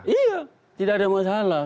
iya tidak ada masalah